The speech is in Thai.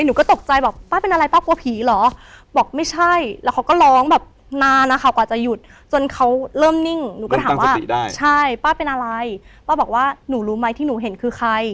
หนูก็ตกใจบอกป้าเป็นอะไรป้ากลัวผีเหรอบอกไม่ใช่แล้วเขาก็ร้องแบบนานนะคะกว่าจะหยุดจนเขาเริ่มนิ่งหนูก็ถามว่าใช่ป้าเป็นอะไรป้าบอกว่าหนูรู้ไหมที่หนูเห็นคือใคร